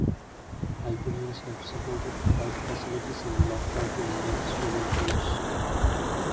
Haiku Hands have supported Flight Facilities and Bloc Party on their Australian tours.